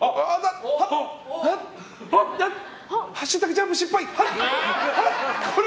「＃ジャンプ失敗」！